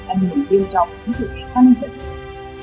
ảnh hưởng đơn trọng với thực hiện cao năng trợ giúp